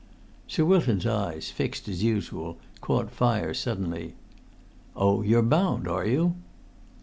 '" Sir Wilton's eyes, fixed as usual, caught fire suddenly. "Oh, you're bound, are you?"